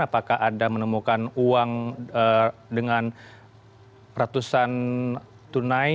apakah ada menemukan uang dengan ratusan tunai